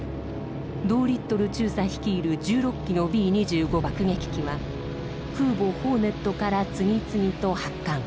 ドーリットル中佐率いる１６機のＢー２５爆撃機は空母ホーネットから次々と発艦。